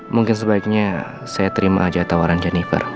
mungkin sebaiknya saya terima aja tawaran jennifer